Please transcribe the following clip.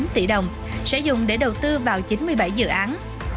chín mươi sáu một trăm năm mươi chín tỷ đồng sẽ dùng để đầu tư vào chín mươi bảy dự án